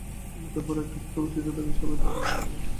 মৃত্যুর পরও একটা সত্তা অবশিষ্ট থাকে এবং তাহাই বাঁচিয়া থাকে।